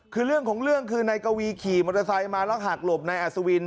คือเรื่องของเรื่องคือนายกวีขี่มอเตอร์ไซค์มาแล้วหักหลบนายอัศวิน